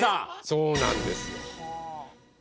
そうなんですよ。